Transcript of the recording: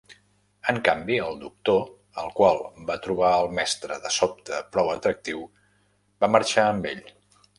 En canvi, el Doctor, el qual va trobar el Mestre de sobte prou atractiu, va marxar amb ell.